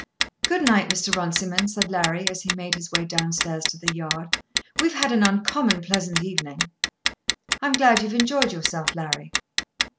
"Good night, Mr. Runciman," said Larry as he made his way down stairs to the yard. "We've had an uncommon pleasant evening." "I'm glad you've enjoyed yourself, Larry."